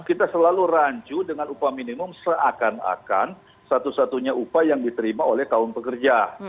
kita selalu rancu dengan upah minimum seakan akan satu satunya upah yang diterima oleh kaum pekerja